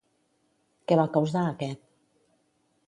Què va causar aquest?